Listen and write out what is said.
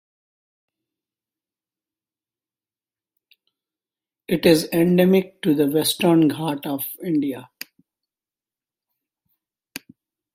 It is endemic to the Western Ghats of India.